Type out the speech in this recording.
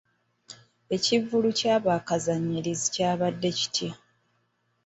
Ekivvulu kya bakazanyiikirizi kyabadde kitya?